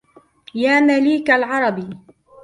يا مليك العَربِ